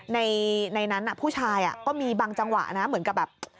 ในนั้นผู้ชายก็มีบางจังหวะนะเหมือนกับแบบ